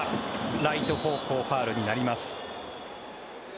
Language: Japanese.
ライト方向ファウルになります。